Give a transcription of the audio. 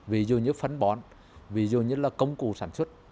ví dụ như phân bón ví dụ như là công cụ sản xuất